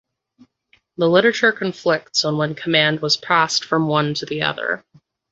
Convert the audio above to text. The literature conflicts on when command was passed from one to the other.